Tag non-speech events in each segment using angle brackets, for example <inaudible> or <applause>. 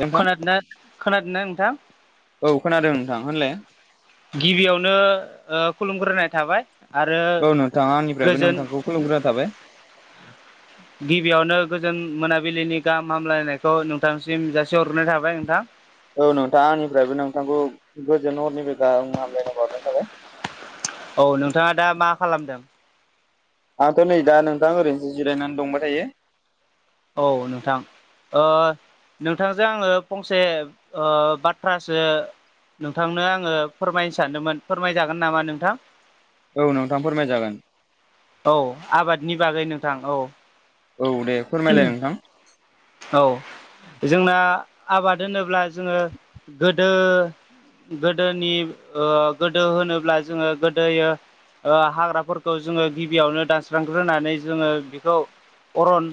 नोंथां खोनादोंना खोनादोंना नोंथां औ खोनादों नोंथां होनलाय गिबियावनो ओ खुलुमग्रोनाय थाबाय आरो औ नोंथां आंनिफ्रायबो गोजोन नोंथांखौ खुलुमग्रोनाय थाबाय गिबियावनो गोजोन मोनाबिलिनि गाहाम हामलायनायखौ नोंथांसिम जासिहरग्राय थाबाय नोंथां औ नोंथां आंनिफ्रायबो नोंथांखौ गोजोन हरनिफ्राय गाहाम हामलायनाय बावनाय थाबाय औ नोंथाङा दा मा खालामदों आंथ' नै दा नोंथां ओरैनोसो जिरायनानै दंबाय थायो औ नोंथां ओ नोंथांजों आङो फंसे ओ बाथ्रासो नोंथांनो आङो फोरमायनो सानदोंमोन फोरमायजागोन नामा नोंथां औ नोंथां फोरमाय जागोन औ आबादनि बागै नोंथां औ औ दे फोरमायलाय नोंथां औ जोंना आबाद होनोब्ला जोङो गोदो गोदोनि ओ गोदो होनोब्ला जोङो गोदोयो ओ हाग्राफोरखौ जोङो गिबियावनो दानस्रांग्रोनानै जोङो बेखौ अरन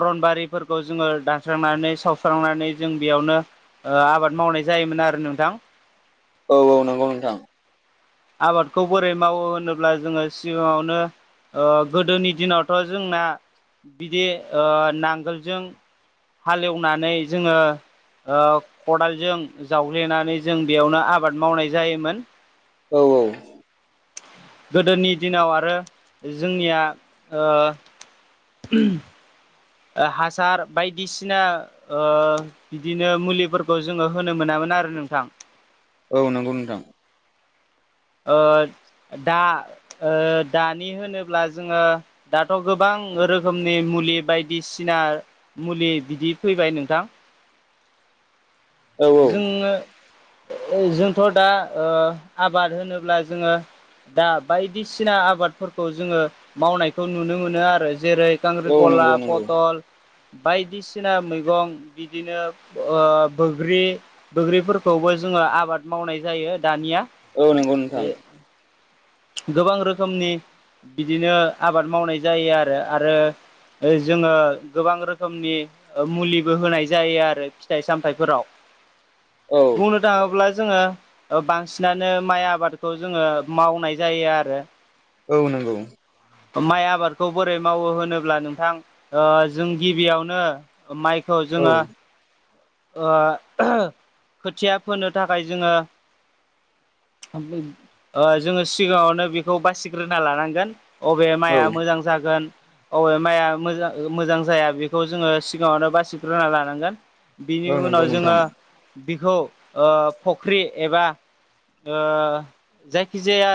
अरन बारिफोरखौ जोङो दानस्रांनानै सावस्रांनानै जों बेयावनो आबाद मावनाय जायोमोन आरो नोंथां औ औ नंगौ नोंथां आबादखौ बोरै मावो होनोब्ला जोङो सिगाङावनो ओ गोदोनि दिनावथ' जोंना बिदि नांगोलजों हालेवनानै जोंङो खदालजों जावग्लेनानै जों बेयावनो आबाद मावनाय जायोमोन औ-औ गोदोनि दिनाव आरो जोंनिया <unintelligible> हासार बायदिसिना बिदिनो मुलिफोरखौ जोंङो होनो मोनामोन आरो नोंथां औ नंगौ नोंथां दा दानि होनोब्ला जोंङो दाथ' गोबां रोखोमनि मुलि बायदिसिना मुलि बिदि फैबाय नोंथां औ जोंङो जोंथ' दा आ आबाद होनोब्ला जोंङो दा बायदिसिना आबादफोरखौ जोंङो मावनायखौ नुनो मोनो आरो जेरै औ कांक्रिकला नंगौ नंगौ पथल बायदिसिना मैगं बिदिनो ओ बोग्रि बोग्रिफोरखौबो जोंङो आबाद मावनाय जायो दानिया औ नंगौ बे नोंथां गोबां रोखोमनि बिदिनो आबाद मावनाय जायो आरो आरो जोंङो गोबां रोखोमनि मुलिबो होनाय जायो आरो फिथाइ सामथाइफोराव औ बुंनो थाङोब्ला जोंङो ओ बांसिनानो माइ आबादखौ जोंङो मावनाय जायो आरो औ नंगौ माइ आबादखौ बोरै मावो होनोब्ला नोंथां जों गिबियावनो माइखौ औ जोंङो खोथिया फोनो थाखाय जोंङो जोङो सिगांङावनो बेखौ बासिग्रोना लानांगोन अबे औ माइआ मोजां जागोन अ माइआ मोजां मोजां जाया बेखौ जोंङो सिगांङावनो बासिग्रोना लानांगोन बिनि औ नंगौ उनाव नोंथां जोङो बिखौ फख्रि एबा ओ जायखिजाया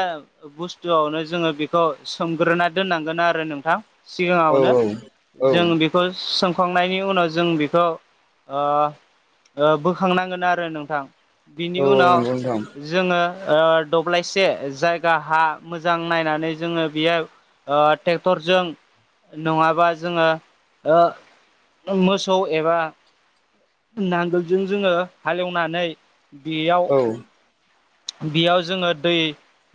बुस्थुआवनो जोङो बेखौ सोमग्रोना दोननांगोन आरो नोंथां औ सिगाङावनो औ जों बेखौ सोमखांनायनि उनाव जों बेखौ ओ बोखांनांगोन आरो नोंथां बिनि औ उनाव नंगौ नोंथां जोङो दब्लायसे जायगा हा मोजां नायनानै जोङो बियो ओ ट्रेक्टरजों नङाबा जोङो मोसौ एबा नांगोलजों जोङो हाले एवनानै बेयाव औ बेयाव जोङो दै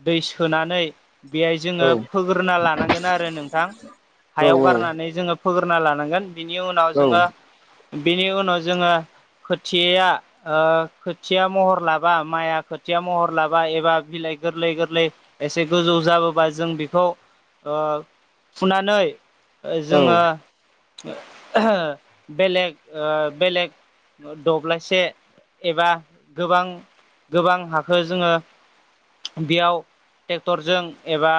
दै सोनानै बेहाय औ जोङो फोग्रोना लानांगोन आरो नोंथां हायाव औ गारनानै जोङो फोग्रोना लानांगोन बिनि उनाव जोङो बिनि उनाव जोङो खोथिया खोथिया महर लाबा माइआ खोथिया महर लाबा एबा बिलाइ गोरलै गोरलै एसे गोजौ जाबोबा जों बेखौ फुनानै जोङो औ बेलेग बेलेग दब्लायसे एबा गोबां गोबां हाखौ जोङो बेयाव ट्रेक्टरजों एबा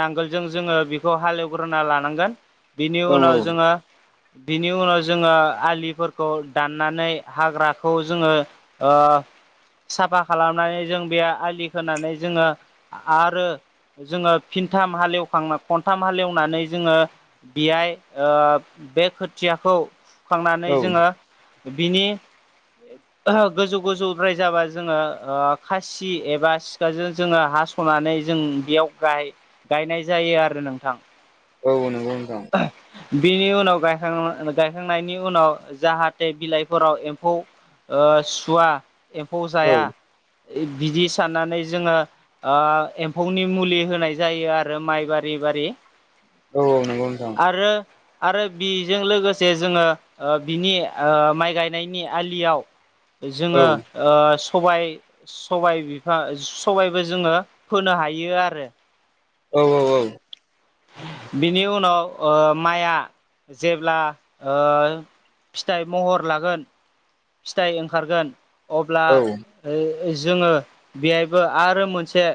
नांगोलजों जोङो बेखौ हाले जवग्रोना लानांगोन बिनि औ उनाव औ जोङो बिनि उनाव जोङो आलिफोर दाननानै हाग्राखौ जोङो ओ साफा खालामनानै जों बे आलि खोनानै जोङो आरो जोङो फिनथाम हालेवखांना खनथाम हालेवनानै जोङो बेहाय ओ बे खोथियाखौ फुखांनानै औ जोङो बिनि गोजौ गोजौद्राय जाबा जोङो खासि एबा सिखाजों जोङो हास' स'नानै जों बेयाव गायनाय जायो आरो नोंथां औ नंगौ नोंथां बिनि उनाव गायखांनायनि उनाव जाहाथे बिलाइफोराव एम्फौ ओ सुवा एम्फौ औ जाया बिदि साननानै जोङो ओ एम्फौनि मुलि होनाय जायो आरो माइ बारि बारि औ औ नंगौ नोंथां आरो आरो बेजों लोगोसे जोङो ओ बिनि ओ माइ गायनायनि आलियाव औ जोङो ओ सबाय सबाय बिफां सबायबो जोङो फोनो हायो आरो औ औ औ बिनि उनाव ओ माइआ जेब्ला ओ फिथाइ महर लागोन फिथाइ ओंखारगोन अब्ला औ जोङो बेहायबो आरो मोनसे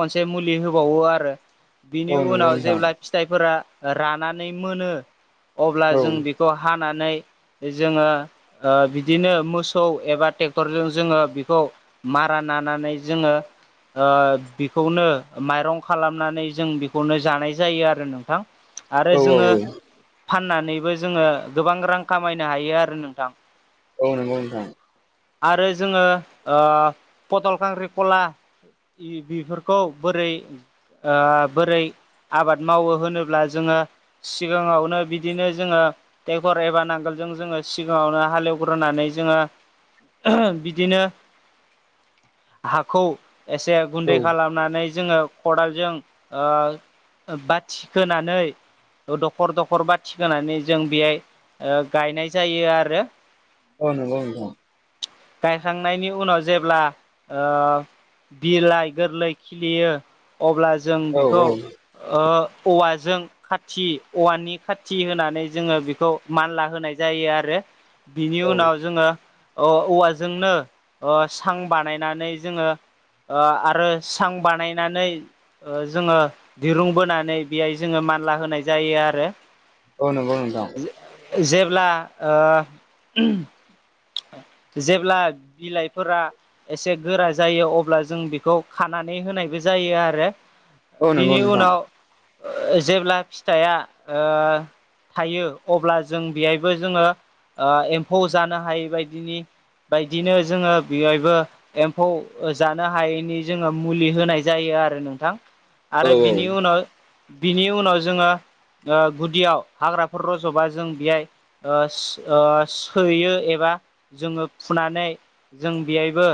खनसे मुलि होबावो आरो औ बिनि नंगौ उनाव नोंथां जेब्ला फिथाइफोरा रानानै मोनो अब्ला औ जों बेखौ खौ हानानै जोङो ओ बिदिनो मोसौ एबा ट्रेक्टरजों जोङो बेखौ मारा नानानै जोङो ओ बेखौनो माइरं खालामनानै जों बेखौनो जानाय जायो आरो नोंथां। औ आरो जोङो औ फाननानैबो जोङो गोबां रां खामायनो हायो आरो नोंथां औ नंगौ नोंथां आरो जोङो ओ पटल खांख्रि कला बेफोरखौ बोरै ओ बोरै आबाद मावो होनोब्ला जोङो सिगाङावनो बिदिनो जोङो ट्रेकठर एबा नांगोलजों जोङो सिगाङावनो हालेवग्रो ग्रोनानै जोङो बिदिनो हाखौ एसे औ गुन्दै खालामनानै जोङो खदालजों ओ बाथिखोनानै दखर दखर बाथि खोनानै जों बेहाय गायनाय जायो आरो औ नंगौ नोंथां गायखांनायनि उनाव जेब्ला ओ बिलाइ गोरलै खिलियो अब्ला जों औ बेखौ ओ औवाजों खाथि औवानि खाथि होनानै जोङो बेखौ मानला होनाय जायो आरो। बिनि औ उनाव जोङो ओ औवाजोंनो सां बानायनानै जोङो ओ आरो सां बानायनानै जोङो दिरुं बोनानै बेहाय जोङो मानला होनाय जायो आरो औ नंगौ नोंथां जेब्ला ओ उम जेब्ला बिलाइफोरा एसे गोरा जायो अब्ला जों बेखौ खानानै होनायबो जायो आरो औ नंगौ बिनि नोंथां उनाव जेब्ला फिथाइआ ओ थायो अब्ला जों बेहायबो जोङो एम्फौ जानो हायै बायदि बायदिनो जोङो बेहायबो एम्फौ जानो हायैनि जोङो मुलि होनाय जायो आरो नोंथां। औ आरो औ बिनि उनाव बिनि उनाव जोङो। गुदियाव हाग्राफोर रज'बा जों बेहाय सोयो एबा जोङो फुनानै जों बेहायबो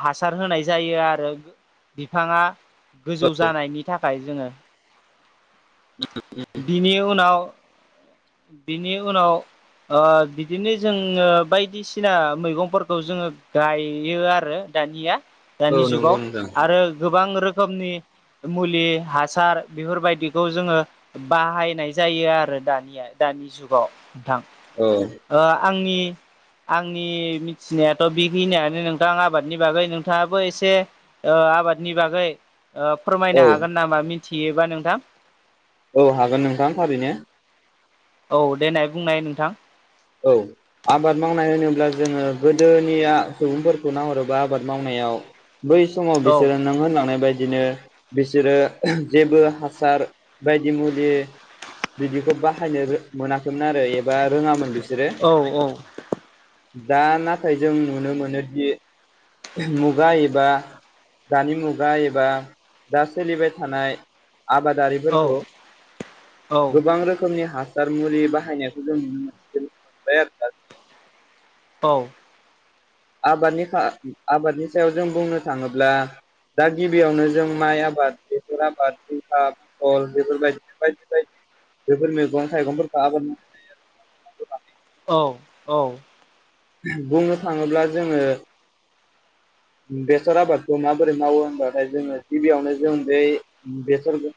हासार होनाय जायो आरो। बिफाङा गोजौ जानायनि थाखाय जोङो। बिनि उनाव बिनि उनाव बिदिनो जोङो बायदिसिना मैगंफोरखौ जोङो गायो आरो। दानिया दानि नंगौ जुगाव नोंथां आरो गोबां रोखोम। रोखोमनि मुलि हासार बेफोरबादिखौ जोङो बाहायनाय जायो आरो दानिया दानि जुगाव नोंथां। औ। आंनि आंनि मिथिनायाथ' बिखिनिानो नोंथां आबादनि बागै नोंथाङाबो एसे ओ आबादनि बागै फोरमायनो औौ हागोन नामा मिथियोबा नोंथां औ हागोन नोंथां थारैनो। औ देनाय बुंनाय। औ। आबाद मावनाय होनोब्ला जोङो गोदोनिया सुबुंफोरखौ नाहरोबा आबाद मावनायाव। बै समाव औ बिसोरो नों होनलांनाय बादिनो। बिसोरो जेबो हासार बायदि मुलि बिदिखौ बाहायनो मोनाखैमोन आरो एबा रोङामोन बिसोर औ औ। दा नाथाय जों नुनो मोनोदि। मुगा एबा दानि मुगा एबा दा सोलिबाय थानाय औ आबादारिफोरखौ औ गोबां रोखोमनि हासार सार मुलि बाहायनायखौ जों नुनो मोन मोनबाय आरो दा अ आबादनि आबादनि सायाव जों बुंनो थाङोब्ला दा गिबियावनो जों माइ आबाद बेसर आबाद, जिंखा आबाद। अ बेफोरबादिनो बायदि बायदि बेफोर मैगं-थाइगंफोरखौ आबाद। मावनानै औ औ। बुंनो थाङोब्ला जोङो। बेसर आबादखौ माबोरै मावो होनबाथाय जोङो गिबियावनो जों बै बेसरखौ।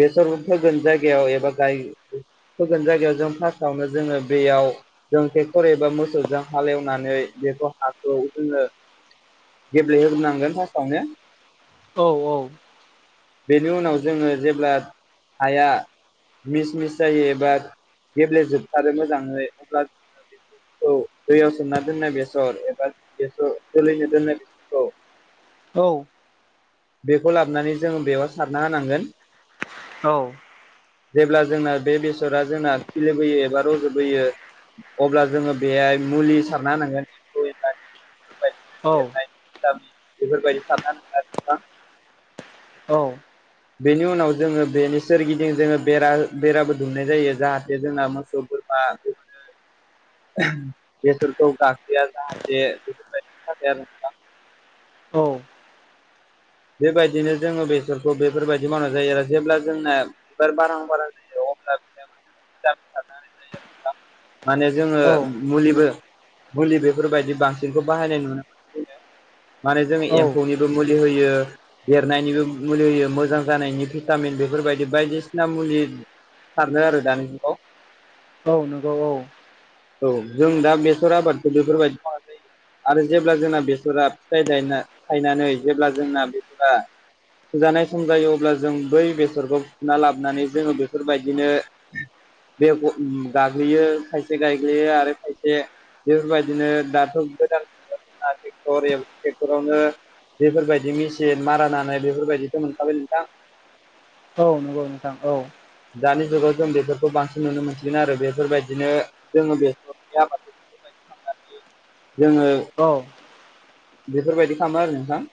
बेसर फोगोन जायगायाव एबा गाय फोगोन जायगायाव जों फार्स्टआवनो जोङो बेयाव। जों ट्रेक्टर एबा मोसौजों हालेवनानै बेखौ हाखौ जोङो। गेब्लेहोग्रोनांगोन फार्सआवनो औ औ। बेनि उनाव जोङो जेब्ला हाया मिस मिस जायो एबा गेब्लेजोबथारो मोजाङै अब्ला। औ दैयाव सोमना दोननाय बेसर एबा बेसर जोलैनो दोननाय। औ। औ। बेखौ लाबनानै जोङो बेयाव सारना होनांगोन औ। जेब्ला जोंना बे बेसरा जोंना खिलिबोयो एबा रज'बोयो। अब्ला जोङो बेहाय मुलि सारना होनांगोन एम्फौ एनलानि बेफोरबायदि देरनाय भिटामिन बेफोरबायदि सारना होनांगोन आरो नोंथां औ बेनि उनाव जोङो बेनि सोरगिदिं जोङो बेरा बेराबो दुमनाय जायो जाहाथे जोंना मोसौ बोरमा बेसरखौ गाखोया जाहाथे बेफोरबायदिनि थाखाय आरोना बेबायदिनो जोङो बेसरखौ बेफोरबायदि मावनाय जायो आरो जेब्ला जोंना बिबार बारहां बारहां जायो अब्लाना लाथथनानै ज माने जोङो मुलिबो मुलि बेफोरबायदि बांसिनखौ बाहायनाय नुनो मोनो माने जोङो औ एम्फौनिबो मुलि होयो देरनायनिबो मुलि होयो मोजां जानायनि भिटामिन बेफोरबायदि बायदिसिना मुलि सारनो आरो दानि जुगाव औ नंगौ औ औ जों दा बेसर आबादखौ बेफोरबायदि मावनाय जायो आरो जेब्ला जोंना बेसरा फिथाइ थायना थायनानै जेब्ला जोंना बेसरा फुजानाय सम जायो अब्ला जों बै बेसरखौ फुना लाबोनानै जोङो बेफोरबायदिनो बेग' गाग्लियो खायसे गायग्लियो आरो खायसे बेफोरबायदिनो दाथ' गोदान ओ टेक्टर ए टेक्टरावनो बेफोरबायदि मिसि जे मारा नानाय बेफोरबायदिथ' मोनखाबाय नोंथां औ नंगौ नोंथां औ दानि जुगाव जों बेफोरखौ बांसिन नुनो मोनसिगोन आरो बेफोरबायदिनो जोङो बेसरनि आबाद जोङो औ बेफोरबायदि खामो आरो नोंथां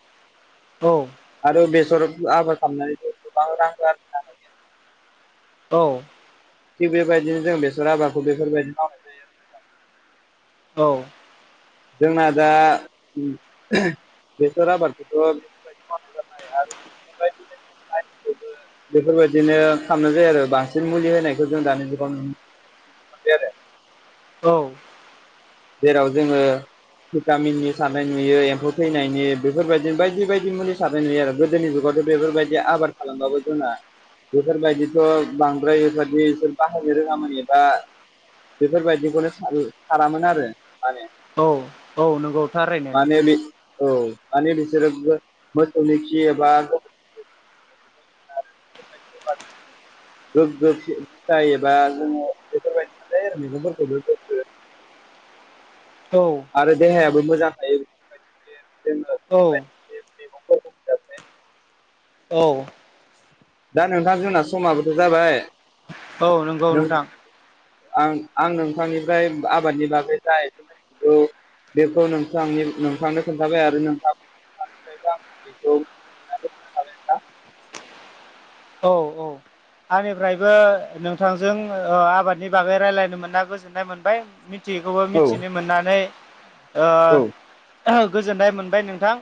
औ आरो बेसर आबाद खामनानैबो गोबां रां आर औ थिग बेबायदिनो जों बेसर आबादखौ बेफोरबायदि मावनाय जायो औ जोंना दा बेसर आबादखौथ' मावनाय जाबाय आरो बायदि <inaudible> <unintelligible> बेफोरबायदिनो खामनाय जायो आरो बांसिन मुलि होनायखौ जों दानि जुगाव नुनो मोनबाय आरो <inaudible> औ जेराव जोङो भिटामिननि सारनाय नुयो एम्फौ थैनायनि बेफोरबायदि बायदि बायदि मुलि सारनाय नुयो आरो गो जोंनि जुगावथ' बेफोरबायदि आबाद खालामबाबो जोङा बेफोरबायदिथ' बांद्राय बेबादिफोर बाहायनो रोङामोन एबा बेफोरबायदिखौनो सा सारामोन आरो माने औ औ नंगौ थारैनो माने बे औ माने बिसोरोबो मोसौनि खि एबा <inaudible> गोग्गो फिथाइ एबा जोङो बेफोरबायदि थायो आरो मैगंफोरखौबो औ आरो देहायाबो मोजां थायो बेफोरबायदि जोङो औ बेफोरबायदि मैगंफोरखौ जाबाय औ दा नोंथां जोंना समाबोथ' जाबाय औ नंगौ नों नोंथां आं आं नोंथांनिफ्राय आबादनि बागै जाय बेखौ नोंथांनि नोंथांनो खोन्थाबाय आरो नोंथाङा <unintelligible> आं बिखौ औ औ आंनिफ्रायबो नोंथांजों आबादनि बागै रायज्लायनो मोनना गोजोननाय मोनबाय मिथियैखौबो नोंथां। मिथिनो मोननानै औ ओ गोजोननाय मोनबाय नोंथां